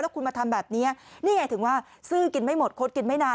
คุณมาทำแบบนี้นี่ไงถึงว่าซื้อกินไม่หมดคดกินไม่นาน